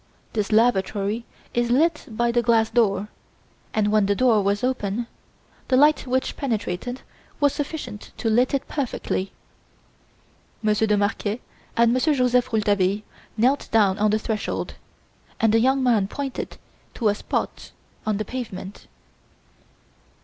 This lavatory is lit by the glass door, and, when the door was open, the light which penetrated was sufficient to light it perfectly. Monsieur de Marquet and Monsieur Joseph Rouletabille knelt down on the threshold, and the young man pointed to a spot on the pavement.